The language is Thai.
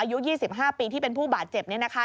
อายุ๒๕ปีที่เป็นผู้บาดเจ็บเนี่ยนะคะ